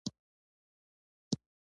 لومړۍ برخه يې هغه ليکنې دي.